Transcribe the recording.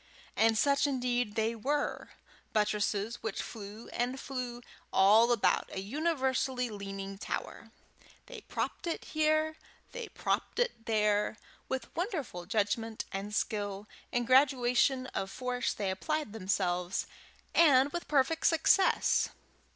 And such indeed they were buttresses which flew and flew all about a universally leaning tower. They propped it here, they propped it there; with wonderful judgment and skill and graduation of force they applied themselves, and with perfect success.